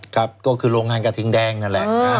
ครับก็คือโรงงานกระทิงแดงนั่นแหละ